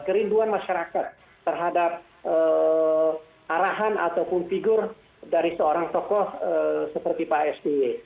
kerinduan masyarakat terhadap arahan ataupun figur dari seorang tokoh seperti pak sby